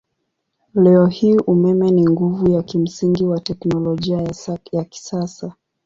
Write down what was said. Leo hii umeme ni nguvu ya kimsingi wa teknolojia ya kisasa.